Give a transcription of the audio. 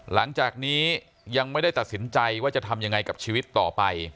หลังจากนี้ยังไม่ได้ตัดสินใจว่าจะทำยังไงกับชีวิตต่อไป